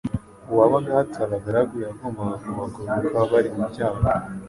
Uwabaga ahatse abagaragu yagombaga kubagoboka bari mu byago